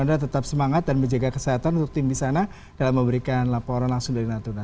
anda tetap semangat dan menjaga kesehatan untuk tim di sana dalam memberikan laporan langsung dari natuna